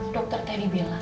dokter tadi bilang